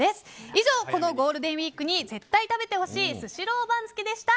以上、このゴールデンウィークに絶対食べてほしいスシロー番付でした。